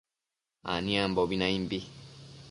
aniambobi naimbi